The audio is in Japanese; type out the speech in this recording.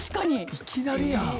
いきなりやん。